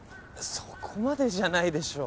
そこまでじゃないでしょ。